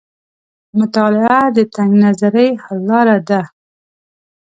مطالعه د تنګ نظرۍ حل لار ده.